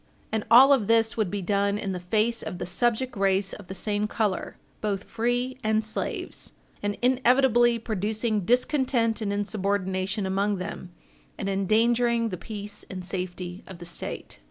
And all of this would be done in the face of the subject race of the same color, both free and slaves, and inevitably producing discontent and insubordination among them, and endangering the peace and safety of the State.